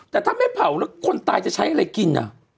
แต่ถ้าไม่เผาแล้วคนตายจะใช้อะไรกิน